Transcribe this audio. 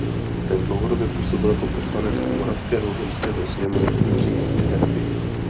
Ten dlouhodobě působil jako poslanec Moravského zemského sněmu i Říšské rady.